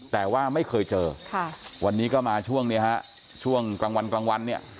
แต่ว่าไม่เคยเจอวันนี้ก็มาช่วงนี้ครับช่วงกลางวันเนี่ย